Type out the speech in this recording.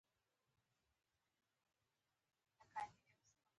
او د دوي له میلمه پالنې ،افغانيت ،شخصیت څخه يې ستاينه هم کړې.